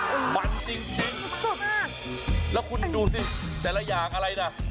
มันจริงจริงสุดมากแล้วคุณดูสิแต่ละอย่างอะไรน่ะ